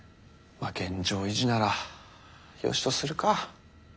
まあ現状維持ならよしとするか。